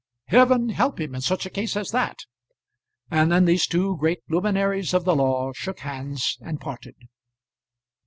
"Heaven help him in such a case as that!" And then these two great luminaries of the law shook hands and parted.